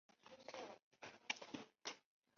该物种的模式产地在西藏东部。